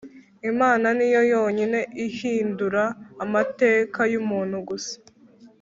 imana niyo yonyine ihindura amateka y’umuntu gusa